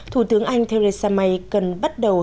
thủ tướng anh theresa may cần bắt đầu hợp tác